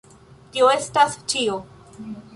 Tio estas ĉio!